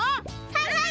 はい！